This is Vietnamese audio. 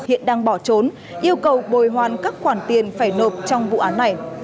hiện đang bỏ trốn yêu cầu bồi hoan các quản tiền phải nộp trong vụ án này